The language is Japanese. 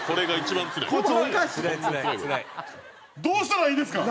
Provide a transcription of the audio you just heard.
どうしたらいいんですか！